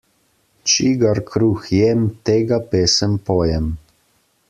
Čigar kruh jem, tega pesem pojem.